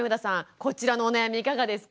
こちらのお悩みいかがですか？